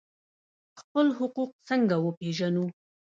خپل حقوق څنګه وپیژنو؟